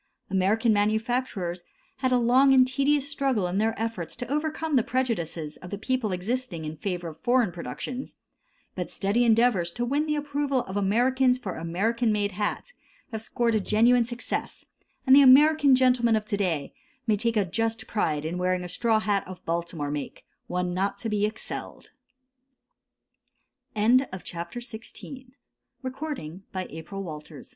American manufacturers had a long and tedious struggle in their efforts to overcome the prejudices of the people existing in favor of foreign productions, but steady endeavors to win the approval of Americans for American made hats have scored a genuine success, and the American gentleman of to day may take a just pride in wearing a straw hat of Baltimore make one not to be excelled. A MODEL ESTABLISHMENT. No. 17. That part of the history of Baltimore which relates to the pre